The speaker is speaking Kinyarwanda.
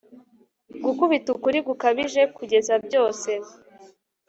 Gukubita ukuri gukabije kugeza byose